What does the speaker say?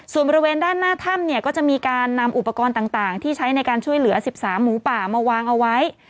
ส่วนบริเวณด้านหน้าถ้ำเนี่ยก็จะมีการนำอุปกรณ์ต่างที่ใช้ในการช่วยเหลือ๑๓หมูป่ามาวางเอาไว้